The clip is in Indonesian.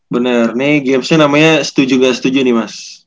bener nih gamesnya namanya setuju ga setuju nih mas